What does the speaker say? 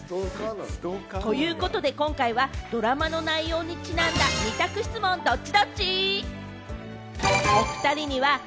ということで今回はドラマの内容にちなんだ二択質問、ドッチ？